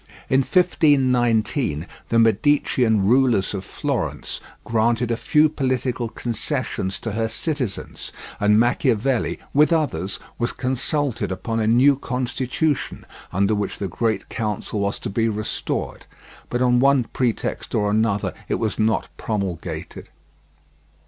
In 1519 the Medicean rulers of Florence granted a few political concessions to her citizens, and Machiavelli with others was consulted upon a new constitution under which the Great Council was to be restored; but on one pretext or another it was not promulgated.